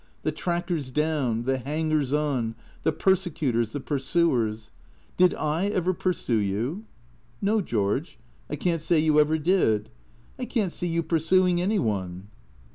The trackers down, the hangers on, the persecutors, the pursuers. Did / ever pursue you ?"" No, George. I can't say you ever did. I can't see you i)ur suing any one."